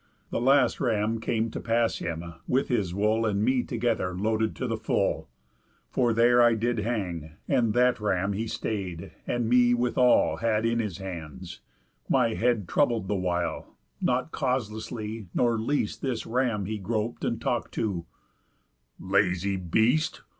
The last ram came to pass him, with his wool And me together loaded to the full, For there did I hang; and that ram he stay'd, And me withal had in his hands, my head Troubled the while, not causelessly, nor least. This ram he grop'd, and talk'd to: 'Lazy beast!